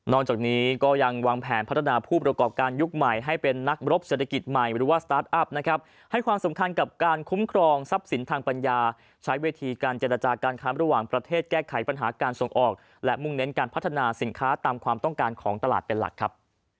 จากนี้ก็ยังวางแผนพัฒนาผู้ประกอบการยุคใหม่ให้เป็นนักรบเศรษฐกิจใหม่หรือว่าสตาร์ทอัพนะครับให้ความสำคัญกับการคุ้มครองทรัพย์สินทางปัญญาใช้เวทีการเจรจาการค้ามระหว่างประเทศแก้ไขปัญหาการส่งออกและมุ่งเน้นการพัฒนาสินค้าตามความต้องการของตลาดเป็นหลักครับ